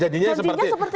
jangan seperti itu